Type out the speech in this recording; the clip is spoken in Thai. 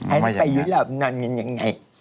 เออให้ไปยุโรปนั่นยังไง